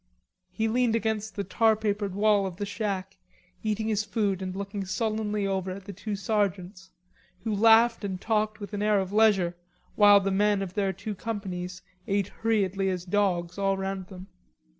He leaned against the tar papered wall of the shack, eating his food and looking sullenly over at the two sergeants, who laughed and talked with an air of leisure while the men of their two companies ate hurriedly as dogs all round them.